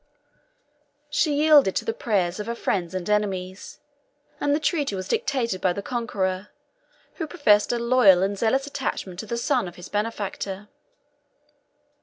She yielded to the prayers of her friends and enemies; and the treaty was dictated by the conqueror, who professed a loyal and zealous attachment to the son of his benefactor.